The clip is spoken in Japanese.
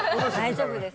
大丈夫です。